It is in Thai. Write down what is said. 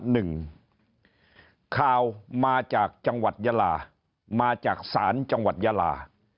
หนึ่งข่าวมาจากจังหวัดยาลามาจากศาลจังหวัดยาลา